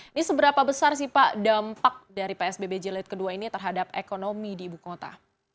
ini seberapa besar sih pak dampak dari psbb jelit kedua ini terhadap ekonomi di ibu kota